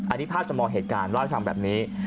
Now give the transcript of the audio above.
อันนี้ภาพจำนวงเหตุการณ์รอดทางแบบนี้